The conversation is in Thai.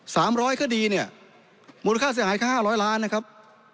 ร้อยคดีเนี่ยมูลค่าเสียหายแค่ห้าร้อยล้านนะครับ